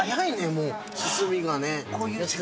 もう進みがね・